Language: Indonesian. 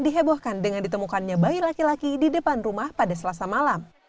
dihebohkan dengan ditemukannya bayi laki laki di depan rumah pada selasa malam